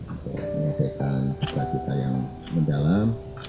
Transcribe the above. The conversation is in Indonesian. untuk menyebutkan kisah kisah yang mendalam